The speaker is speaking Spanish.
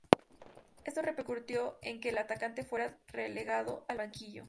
Esto repercutió en que el atacante fuera relegado al banquillo.